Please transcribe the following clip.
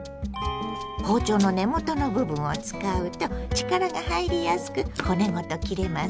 包丁の根元の部分を使うと力が入りやすく骨ごと切れますよ。